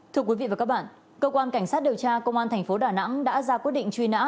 thưa quý vị và các bạn cơ quan cảnh sát điều tra công an thành phố đà nẵng đã ra quyết định truy nã